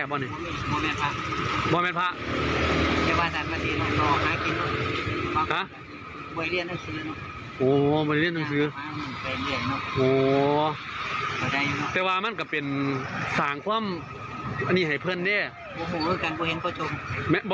โอ้โหแต่ว่ามันก็เป็นสารความอันนี้ให้เพื่อนเนี่ย